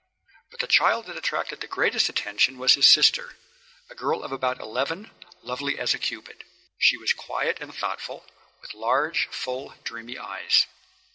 But the child that attracted the greatest attention was his sister, a girl of about eleven, lovely as a Cupid. She was quiet and thoughtful, with large, full, dreamy eyes.